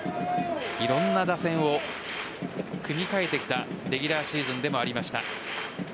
いろんな打線を組み替えてきたレギュラーシーズンでもありました。